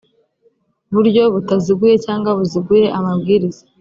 buryo butaziguye cyangwa buziguye amabwiriza